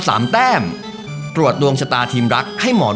สวัสดีครับ